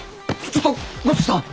ちょっと五色さん！